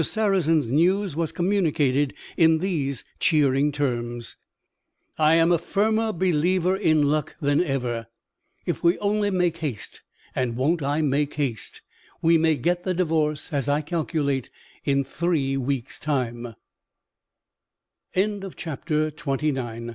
Sarrazin's news was communicated in these cheering terms: "I am a firmer believer in luck than ever. If we only make haste and won't I make haste! we may get the Divorce, as I calculate, in three weeks' time." Chapter XXX. The Lord President.